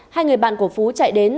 hai người bạn của phú chạy đến